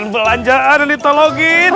belanjaan yang ditolongin